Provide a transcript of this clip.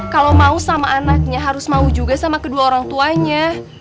kalau mau sama anaknya harus mau juga sama kedua orang tuanya